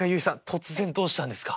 突然どうしたんですか？